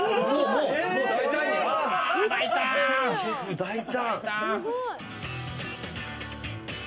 大胆！